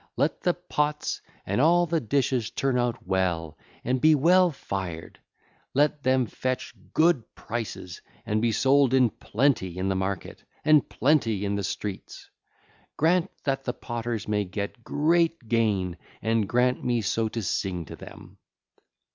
Let the pots and all the dishes turn out well and be well fired: let them fetch good prices and be sold in plenty in the market, and plenty in the streets. Grant that the potters may get great gain and grant me so to sing to them.